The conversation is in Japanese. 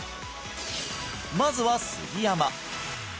まずは杉山